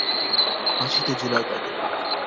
ফাঁসিতে ঝুলাও তাদের।